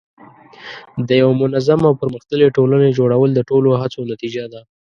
د یوه منظم او پرمختللي ټولنې جوړول د ټولو هڅو نتیجه ده.